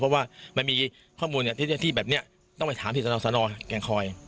เพราะว่ามันมีข้อมูลที่แบบนี้ต้องไปถามที่สนสนแกงคอย